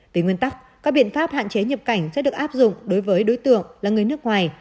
về nguyên tắc các biện pháp hạn chế nhập cảnh sẽ được áp dụng đối với đối tượng là người nước ngoài